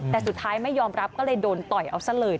แต่สุดท้ายไม่ยอมรับก็เลยโดนต่อยเอาซะเลย